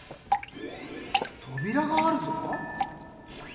とびらがあるぞ？